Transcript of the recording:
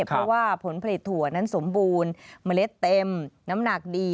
เพราะว่าผลผลิตถั่วนั้นสมบูรณ์เมล็ดเต็มน้ำหนักดี